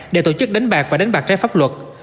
để tổ chức đánh bạc và đánh bạc trái pháp luật